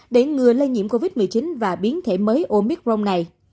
để ngừa lây nhiễm covid một mươi chín và biến thể mới omicron này